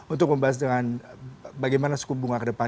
untuk membahas dengan bagaimana suku bunga